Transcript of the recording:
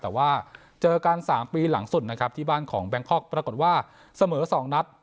แต่ว่าเจอกัน๓ปีหลังสุดนะครับที่บ้านของแบงคอกปรากฏว่าเสมอ๒นัด